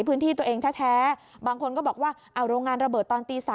พื้นที่ตัวเองแท้บางคนก็บอกว่าโรงงานระเบิดตอนตี๓